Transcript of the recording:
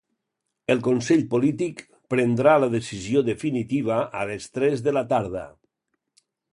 El consell polític prendrà la decisió definitiva a les tres de la tarda.